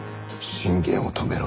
信玄を止めろ。